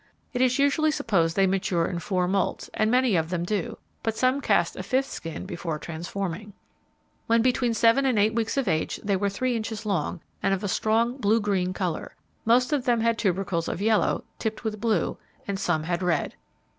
It is usually supposed they mature in four moults, and many of them do, but some cast a fifth skin before transforming. When between seven and eight weeks of age, they were three inches long, and of strong blue green colour. Most of them had tubercles of yellow, tipped with blue, and some had red.